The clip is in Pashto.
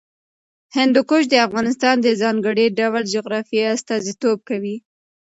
هندوکش د افغانستان د ځانګړي ډول جغرافیه استازیتوب کوي.